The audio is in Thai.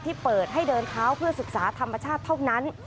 เปิดให้เดินเท้าเพื่อศึกษาธรรมชาติเท่านั้น